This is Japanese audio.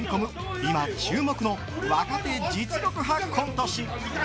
今、注目の若手実力派コント師。